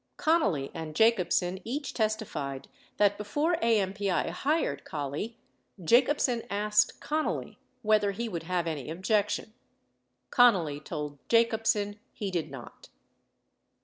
82 Connally and Jacobsen each testified that before AMPI hired Collie, Jacobsen asked Connally whether he would have any objection. Connally told Jacobsen he did not.